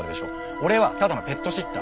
俺はただのペットシッター。